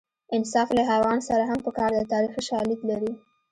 انصاف له حیوان سره هم په کار دی تاریخي شالید لري